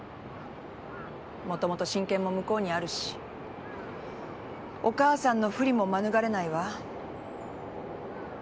もともと親権も向こうにあるしお母さんの不利も免れないわ。